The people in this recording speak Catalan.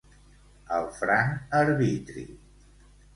Al franc arbitri.